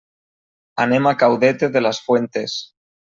Anem a Caudete de las Fuentes.